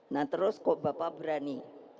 nah terus kok bapak berani